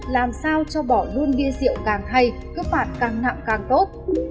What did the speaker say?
làm sao cho bỏ luôn bia rượu càng hay cấp phản càng nặng càng tốt